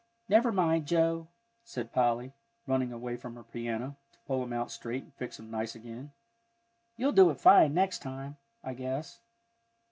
"Never mind, Joe," said Polly, running away from her piano, to pull him out straight and fix him nice again, "you'll do it fine next time, I guess."